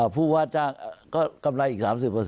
ผู้ว่าจ้างก็กำไรอีก๓๐